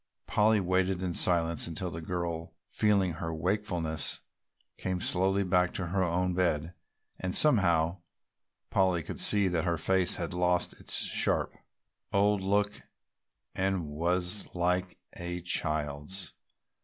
Polly waited in silence until the girl, feeling her wakefulness, came slowly back to her own bed and somehow Polly could see that her face had lost its sharp, old look and was like a child's.